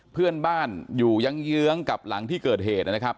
เพื่อนบ้านอยู่เยื้องกับหลังที่เกิดเหตุนะครับ